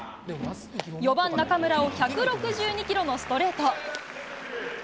４番、中村を１６２キロのストレート。